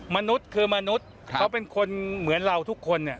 มนุษย์คือมนุษย์เขาเป็นคนเหมือนเราทุกคน